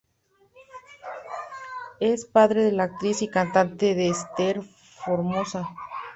Es padre de la actriz y cantante Ester Formosa.